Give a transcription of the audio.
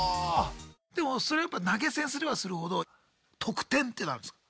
でもそれやっぱ投げ銭すればするほど特典っていうのあるんですか？